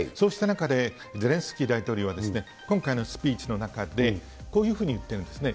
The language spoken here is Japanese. そうした中で、ゼレンスキー大統領は、今回のスピーチの中で、こういうふうにいっているんですね。